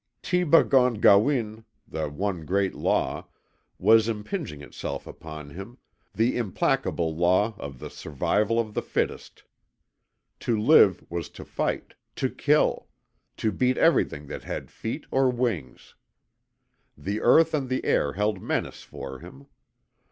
TEBAH GONE GAWIN (the One Great Law) was impinging itself upon him, the implacable law of the survival of the fittest. To live was to fight to kill; to beat everything that had feet or wings. The earth and the air held menace for him.